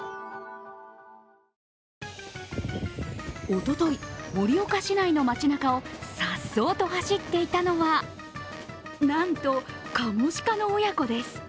おととい、盛岡市内の街なかをさっそうと走っていたのはなんと、カモシカの親子です。